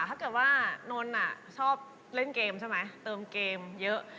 ถ้าเกิดว่านนท์ชอบเกมเนี่ยเติมเกมเยอะ